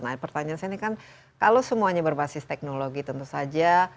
nah pertanyaan saya ini kan kalau semuanya berbasis teknologi tentu saja